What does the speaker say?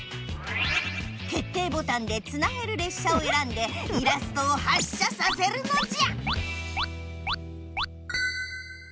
決定ボタンでつなげるれっしゃをえらんでイラストを発車させるのじゃ！